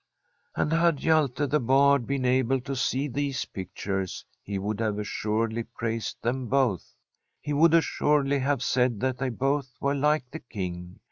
And had Hjalte the Bard been able to sec these pictures he would have assuredly praised them both. He would assuredly have said that they both were like the King.